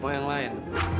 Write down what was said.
mau yang lain